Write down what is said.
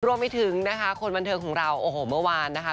รวมไปถึงนะคะคนบันเทิงของเราโอ้โหเมื่อวานนะคะ